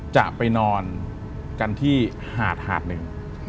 จะไปนอนกันที่หาดหาดหนึ่ง